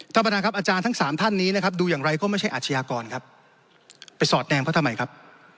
ธรรมดาครับอาจารย์ทั้ง๓ท่านนี้ดูอย่างไรก็ไม่ใช่อาชีาครับ